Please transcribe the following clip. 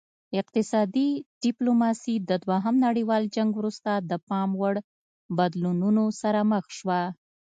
اقتصادي ډیپلوماسي د دوهم نړیوال جنګ وروسته د پام وړ بدلونونو سره مخ شوه